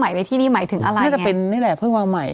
ในที่นี่หมายถึงอะไรน่าจะเป็นนี่แหละเพิ่งวางใหม่